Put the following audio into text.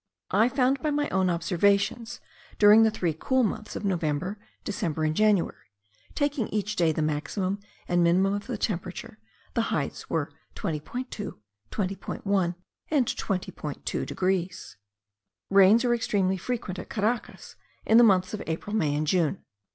I found by my own observations, during the three very cool months of November, December, and January, taking each day the maximum and minimum of the temperature, the heights were 20.2; 20.1; 20.2 degrees. Rains are extremely frequent at Caracas in the months of April, May, and June.